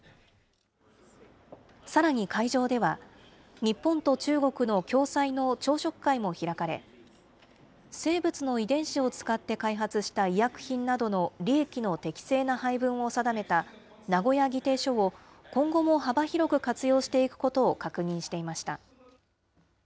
さらに会場では、日本と中国の共催の朝食会も開かれ、生物の遺伝子を使って開発した医薬品などの利益の適正な配分を定めた名古屋議定書を、今後も幅広く活用していくことを確認していました。